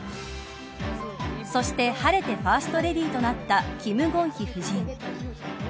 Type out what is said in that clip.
そして晴れてファーストレディーとなった金建希夫人。